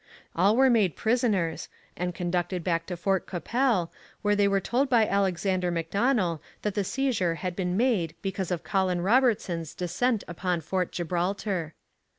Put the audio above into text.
All were made prisoners and conducted back to Fort Qu'Appelle, where they were told by Alexander Macdonell that the seizure had been made because of Colin Robertson's descent upon Fort Gibraltar.